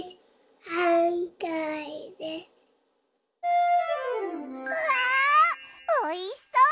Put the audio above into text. うわおいしそう！